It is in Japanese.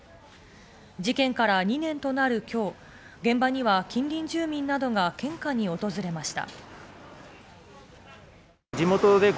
事件から２年となる今日、現場には近隣住民などが献花に訪れました。